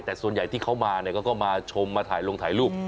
แต่ส่วนใหญ่ที่เขามาเนี่ยเขาก็มาชมมาถ่ายลงถ่ายรูป